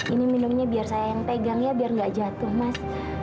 ini minumnya biar saya yang pegang ya biar nggak jatuh mas